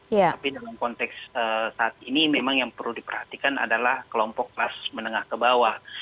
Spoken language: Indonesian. tapi dalam konteks saat ini memang yang perlu diperhatikan adalah kelompok kelas menengah ke bawah